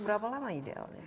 berapa lama idealnya